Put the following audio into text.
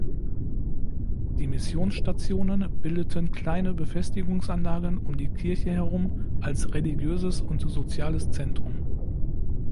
Die Missionsstationen bildeten kleine Befestigungsanlagen um die Kirche herum als religiöses und soziales Zentrum.